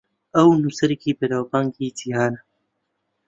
ئەو نووسەرێکی بەناوبانگی جیهانە.